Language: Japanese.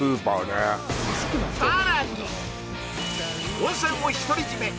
温泉を独り占め